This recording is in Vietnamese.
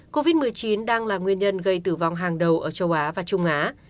covid một mươi chín đang là nguyên nhân gây tử vong hàng đầu ở châu á và trung á